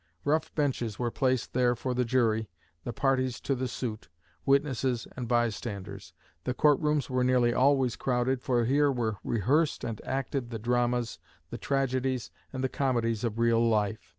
Rough benches were placed there for the jury, the parties to the suit, witnesses and bystanders. The court rooms were nearly always crowded for here were rehearsed and acted the dramas, the tragedies, and the comedies of real life.